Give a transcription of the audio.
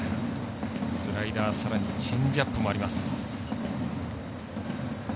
スライダーさらにチェンジアップもあります。